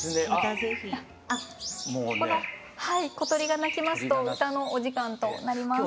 小鳥が鳴きますと歌のお時間となります。